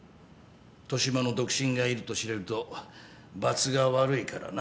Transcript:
年増の独身がいると知れるとばつが悪いからな。